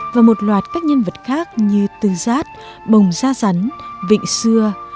và một loạt các nhân vật khác như từ giát bồng gia rắn vịnh xưa